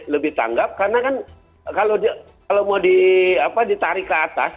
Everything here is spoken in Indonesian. lebih tanggap karena kan kalau mau ditarik ke atas